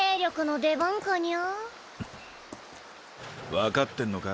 分かってんのか？